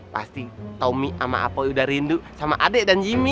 pasti tommy sama apoi udah rindu sama adek dan jimmy